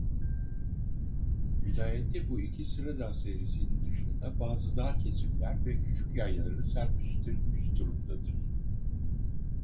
Vilayete bu iki sıradağ serisinin dışında bazı dağ kesimler ve küçük yaylaları serpiştirilmiş durumdadır.